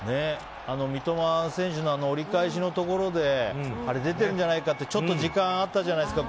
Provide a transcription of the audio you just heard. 三笘選手の折り返しのところで出てるんじゃないかってちょっと時間があったじゃないですか